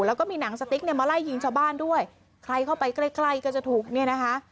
แล้วก็มีหนังสติ๊กเนี่ยมาไล่ยิงชาวบ้านด้วยใครเข้าไปใกล้ใกล้ก็จะถูกเนี่ยนะคะ